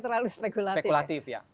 terlalu spekulatif spekulatif ya